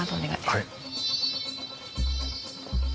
はい。